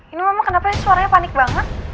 ini mama kenapa ini suaranya panik banget